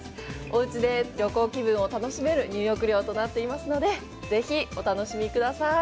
お家で旅行気分を楽しめる入浴料となっていますのでぜひお楽しみください。